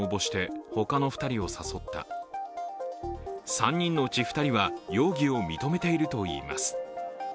３人のうち２人は容疑を認めているといいます。